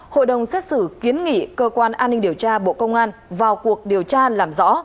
hội đồng xét xử kiến nghị cơ quan an ninh điều tra bộ công an vào cuộc điều tra làm rõ